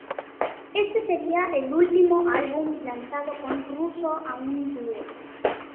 Este sería el último álbum lanzado con Russo aún vivo.